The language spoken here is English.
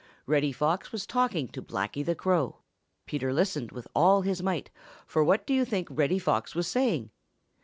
Reddy Fox was talking to Blacky the Crow. Peter listened with all his might, for what do you think Reddy Fox was saying?